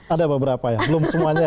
ada beberapa ya belum semuanya